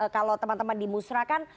kalau teman teman di musra kan